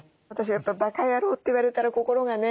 やっぱり「ばか野郎」って言われたら心がね